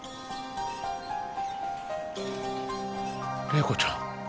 麗子ちゃん